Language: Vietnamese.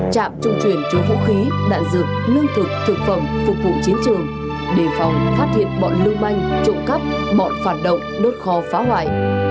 chạm trung chuyển chứa vũ khí đạn dược lương thực thực phẩm phục vụ chiến trường đề phòng phát hiện bọn lưu manh trộm cắp bọn phản động đốt kho phá hoại